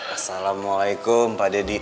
assalamualaikum pak deddy